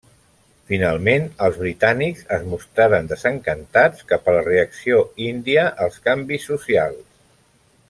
Finalment, els britànics es mostraren desencantats cap a la reacció índia als canvis socials.